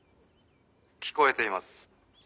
「聞こえています」